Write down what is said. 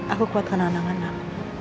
aku kuat karena anak anak